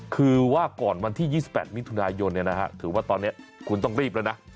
คือว่าก่อนวันที่๒๘มิถุนายนถือว่าตอนนี้คุณต้องรีบแล้วนะ